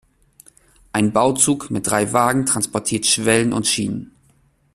Ein Bauzug mit drei Wagen transportiert Schwellen und Schienen.